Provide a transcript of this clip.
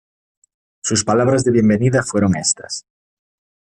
sus palabras de bienvenida fueron éstas: